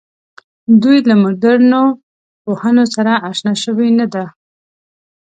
دوی له مډرنو پوهنو سره آشنا شوې نه ده.